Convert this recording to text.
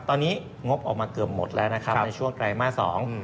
ตอนนี้งบออกมาเกือบหมดแล้วในช่วงกลายมาสอง